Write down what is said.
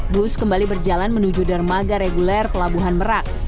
bus kembali berjalan menuju dermaga reguler pelabuhan merak